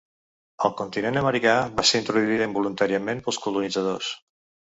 Al continent americà va ser introduïda involuntàriament pels colonitzadors.